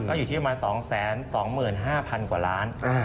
ก็อยู่ที่ประมาณ๒๒๕๐๐๐กว่าล้าน